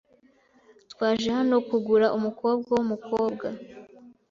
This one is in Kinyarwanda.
Twaje hano kugura umukobwa wumukobwa.